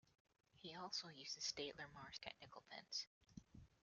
He also uses Staedtler Mars technical pens.